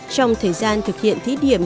trong thời gian thực hiện thí điểm